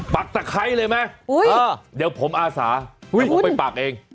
ตะไคร้เลยไหมเดี๋ยวผมอาสาผมไปปักเอง